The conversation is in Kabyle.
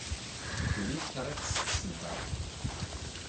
Tuli tekriṭ s tseddart.